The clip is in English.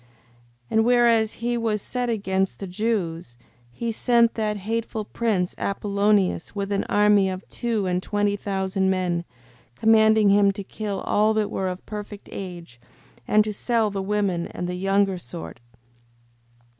5:24. And whereas he was set against the Jews, he sent that hateful prince, Apollonius, with an army of two and twenty thousand men, commanding him to kill all that were of perfect age, and to sell the women and the younger sort.